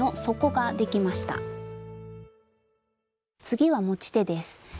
次は持ち手です。